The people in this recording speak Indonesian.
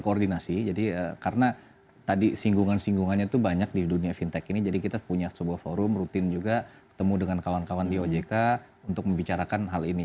koordinasi jadi karena tadi singgungan singgungannya itu banyak di dunia fintech ini jadi kita punya sebuah forum rutin juga ketemu dengan kawan kawan di ojk untuk membicarakan hal ini